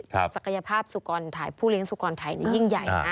ศักยภาพผู้เลี้ยงสุกรณ์ไทยยิ่งใหญ่